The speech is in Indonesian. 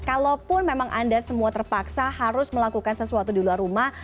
kalaupun memang anda semua terpaksa harus melakukan sesuatu di luar rumah